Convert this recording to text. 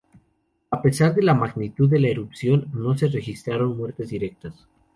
A pesar de la magnitud de la erupción, no se registraron muertes directos.